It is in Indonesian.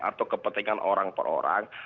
atau kepentingan orang per orang